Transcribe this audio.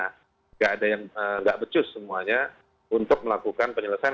tidak ada yang tidak becus semuanya untuk melakukan penyelesaian